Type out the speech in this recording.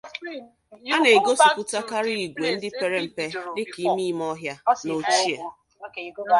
A na-egosipụtakarị ìgwè ndị pere mpe dị ka ime ime ọhịa, na ochie.